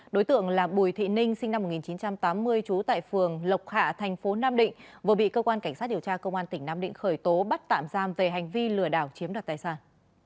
đối tượng là bùi thị ninh sinh năm một nghìn chín trăm tám mươi trú tại phường lộc hạ thành phố nam định vừa bị cơ quan cảnh sát điều tra công an tỉnh nam định khởi tố bắt tạm giam về hành vi lừa đảo chiếm đoạt tài sản